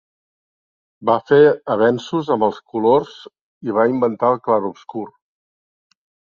Va fer avenços amb els colors i va inventar el clar-obscur.